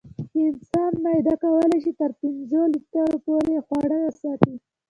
د انسان معده کولی شي تر پنځو لیټرو پورې خواړه وساتي.